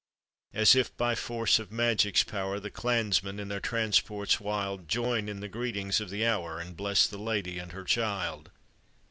As if by force of magic's power, The clansmen, in their transports wild, Join in the greetings of the hour, And bless the lady and her child.